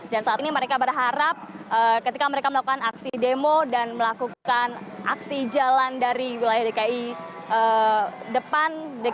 dan saat ini mereka berharap ketika mereka melakukan aksi demo dan melakukan aksi jalan dari wilayah dki depan